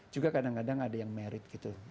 juga kadang kadang ada yang merit gitu